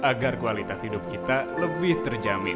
agar kualitas hidup kita lebih terjamin